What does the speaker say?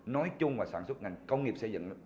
nói chung và sản xuất ngành công nghiệp xây dựng